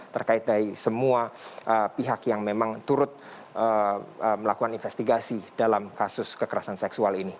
terkait dari semua pihak yang memang turut melakukan investigasi dalam kasus kekerasan seksual ini